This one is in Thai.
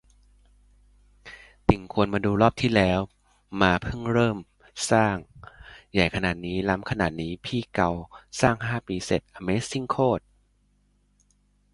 ติ่ง ควรมาดูรอบที่แล้วมาเพิ่งเริ่มสร้าง ใหญ่ขนาดนี้ ล้ำขนาดนี้ พี่เกาสร้างห้าปีเสร็จ อะเมซิ่งโคตร